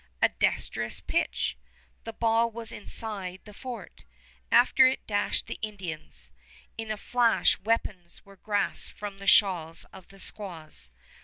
A dexterous pitch! The ball was inside the fort. After it dashed the Indians. In a flash weapons were grasped from the shawls of the squaws.